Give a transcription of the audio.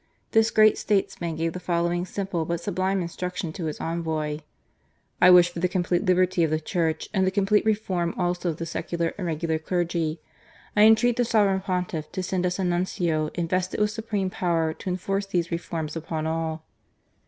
This great statesman gave the following simple but sublime instruction to his envoy :" I wish for the complete liberty of the Church and the complete reform also of the secular and regular clerg} . I intreat the Sovereign Pontiff to send us a Nuncio invested with supreme power to enforce these reforms upon all."